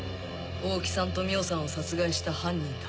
大木さんと美緒さんを殺害した犯人だ。